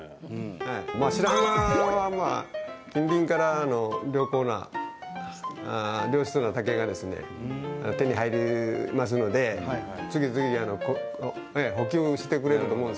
白浜は近隣からの良好な良質な竹がですね手に入りますので次々補給してくれると思うんですけども。